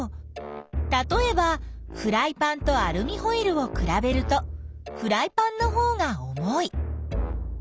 たとえばフライパンとアルミホイルをくらべるとフライパンのほうが重い。